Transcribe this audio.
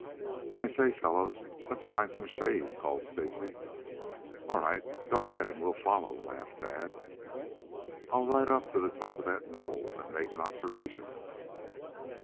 "I say, fellows, let's find some shade," called Stacy. "All right, go ahead and we'll follow," laughed Tad. "I'll ride up to the top of that knoll and make an observation."